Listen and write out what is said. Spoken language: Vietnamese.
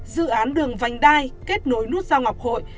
dự án đường vành đai kết nối nút giao ngọc hội